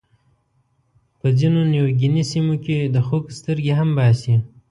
په ځینو نیوګیني سیمو کې د خوک سترګې هم باسي.